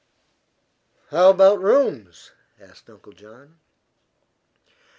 "How about rooms?" asked Uncle John.